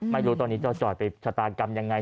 ไม่รู้ตอนนี้จะจ่อยไปชะตากรรมยังไง